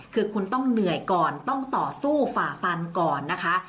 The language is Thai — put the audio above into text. คือคุณต้องเหนื่อยก่อนต้องต่อสู้ฝ่าฟันก่อนนะคะ